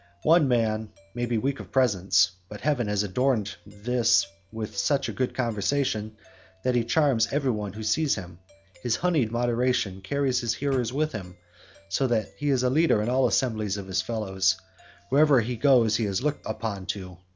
One man may be of weak presence, but heaven has adorned this with such a good conversation that he charms every one who sees him; his honeyed moderation carries his hearers with him so that he is leader in all assemblies of his fellows, and wherever he goes he is looked up to.